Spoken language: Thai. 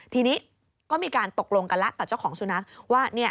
ทีนี้ก็มีการตกลงกันแล้วต่อเจ้าของสุนัขว่า